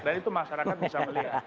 dan itu masyarakat bisa melihat